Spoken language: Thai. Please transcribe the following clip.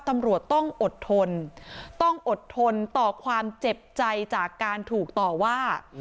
ตำรวจต้องอดทนต้องอดทนต่อความเจ็บใจจากการถูกต่อว่า